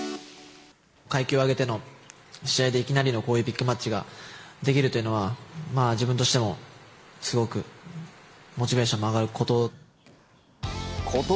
階級を上げての試合でいきなりのこういうビッグマッチができるというのは、自分としてもすごくモチベーションが上がること。